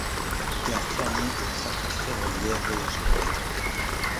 Gare fermée au trafic ferroviaire voyageurs.